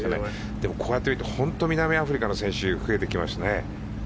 でも、こうやって見ると本当に南アフリカの選手が増えてきましたね。